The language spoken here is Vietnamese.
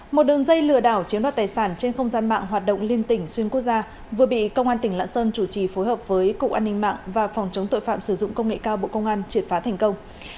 một đường dây lừa đảo chiếm đoạt tài sản trên không gian mạng hoạt động liên tỉnh xuyên quốc gia vừa bị công an tỉnh lạng sơn chủ trì phối hợp với cục an ninh mạng và phòng chống tội phạm sử dụng công nghệ cao bộ công an triệt phá thành công